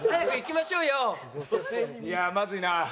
いやあまずいな。